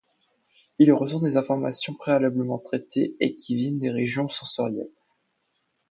Il reçoit des informations préalablement traitées et qui viennent des régions sensorielles.